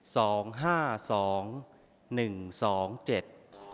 สองห้าสองหนึ่งสองเจ็ด